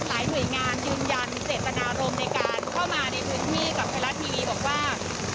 หลายหน่วยงานยืนยันเจตนารมณ์ในการเข้ามาในพื้นที่กับไทยรัฐทีวีบอกว่า